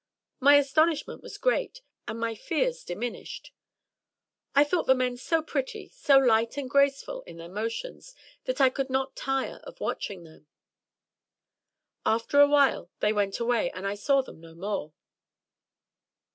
My astonishment was great, and my fears diminished. I thought the men so pretty, so light and graceful in their motions, that I could not tire of watching them. After a while they went away, and I saw them no more.